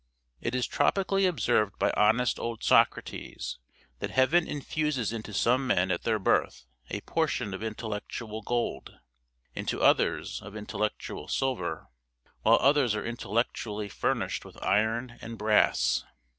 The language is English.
It is tropically observed by honest old Socrates, that heaven infuses into some men at their birth a portion of intellectual gold; into others, of intellectual silver; while others are intellectually furnished with iron and brass.